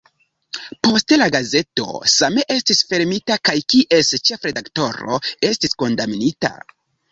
Poste la gazeto same estis fermita, kaj kies ĉefredaktoro estis kondamnita.